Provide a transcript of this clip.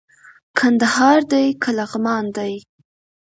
کندهار دئ که لغمان دئ